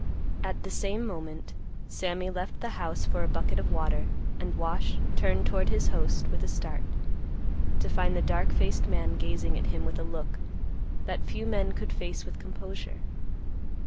At the same moment, Sammy left the house for a bucket of water, and Wash turned toward his host with a start to find the dark faced man gazing at him with a look that few men could face with composure.